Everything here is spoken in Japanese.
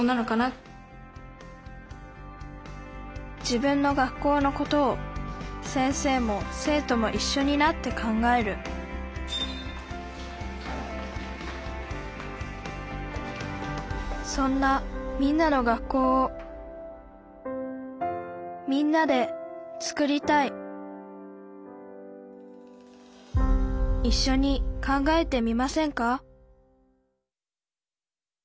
自分の学校のことを先生も生徒もいっしょになって考えるそんなみんなの学校をみんなで作りたいいっしょに考えてみませんか？